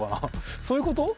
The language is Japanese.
そういうこと？